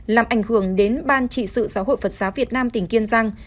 làm ảnh hưởng đến ban trị sự giáo hội phật giáo việt nam tỉnh kiên giang